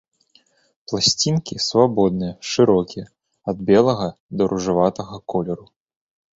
Пласцінкі свабодныя, шырокія, ад белага да ружаватага колеру.